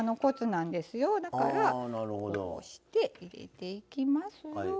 だからこうして入れていきますよ。